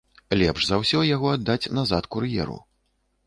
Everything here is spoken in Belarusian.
Лепш за ўсё яго аддаць назад кур'еру.